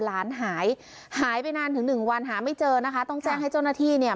หลานหายหายไปนานถึงหนึ่งวันหาไม่เจอนะคะต้องแจ้งให้เจ้าหน้าที่เนี่ย